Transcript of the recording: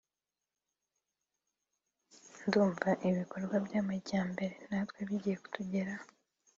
(…) ndumva ibikorwa by’amajyambere natwe bigiye kutugeraho”